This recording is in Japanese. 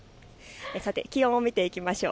さて気温を見ていきましょう。